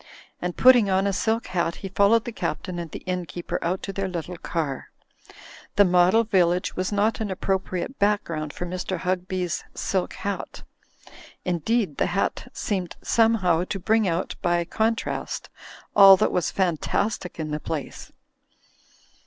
And putting on a silk hat he followed the Captain and the innkeeper out to their little car. The model village was not an appropriate background for Mr. Hugby's silk hat. Indeed, the hat somehow seemed to bring out by con ' trast all that was fantastic in the place.